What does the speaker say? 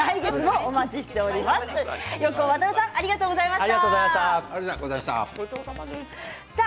横尾渉さんありがとうございました。